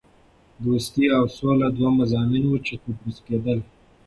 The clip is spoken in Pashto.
دوستي او سوله دوه مضامین وو چې تدریس کېدل.